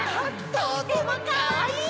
とってもかわいい！